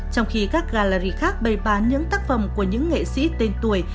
trong khi các gallery khác bày bán những tác phẩm của những nghệ sĩ tên tuổi